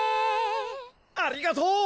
ありがとう！